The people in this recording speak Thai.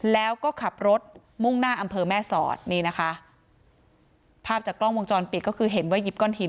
แล้วก็ขับรถมุ่งหน้าอำเภอแม่สอดนี่นะคะภาพจากกล้องวงจรปิดก็คือเห็นว่าหยิบก้อนหิน